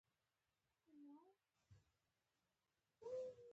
کېله د سر دوران ته فایده لري.